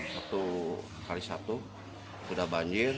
waktu kali satu sudah banjir